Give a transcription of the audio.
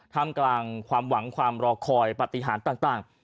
ทำกลางความหวังความรอคอยปฏิหารต่าง